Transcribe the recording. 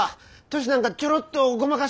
年なんかちょろっとごまかし。